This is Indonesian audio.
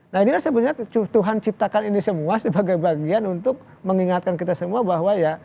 nah ini kan sebenarnya tuhan ciptakan ini semua sebagai bagian untuk mengingatkan kita semua bahwa ya